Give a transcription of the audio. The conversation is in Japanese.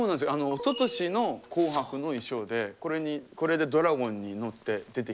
おととしの「紅白」の衣装でこれでドラゴンに乗って出てきて。